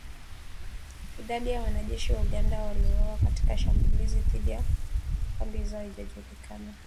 Idadi ya wanajeshi wa Uganda waliouawa katika shambulizi dhidi ya kambi zao haijajulikana